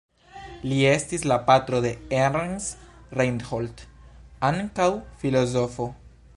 Li estis la patro de Ernst Reinhold, ankaŭ filozofo.